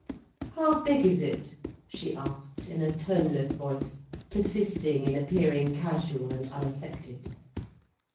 "How big is it?" she asked, in a toneless voice, persisting in appearing casual and unaffected.